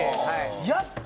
「やった！